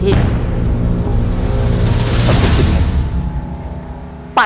ปฏิทินนะครับ